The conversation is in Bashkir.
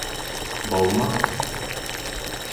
Былмы?